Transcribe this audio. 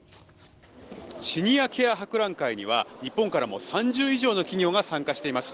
シニアケア博覧会には日本からも３０以上の企業が参加しています。